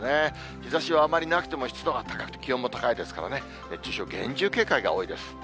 日ざしはあまりなくても、湿度が高くて気温も高いですからね、熱中症、厳重警戒が多いです。